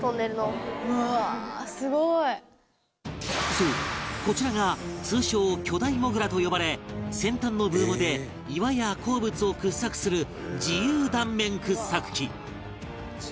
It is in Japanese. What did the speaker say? そうこちらが通称巨大モグラと呼ばれ先端のブームで岩や鉱物を掘削する自由断面掘削機